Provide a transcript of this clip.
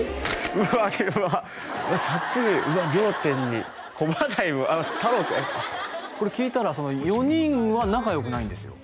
うわっうわっサトゥ業天にコバダイもあっ太郎君これ聞いたら４人は仲良くないんですよ